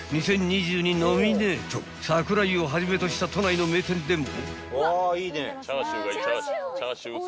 ノミネートさくら井をはじめとした都内の名店でも］